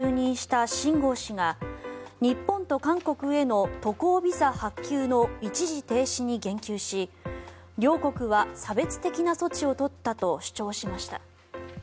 中国の外相に新しく就任した秦剛氏が日本と韓国への渡航ビザ発給の一時停止に言及し両国は差別的な措置を取ったと主張しました。